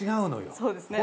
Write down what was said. そうですね。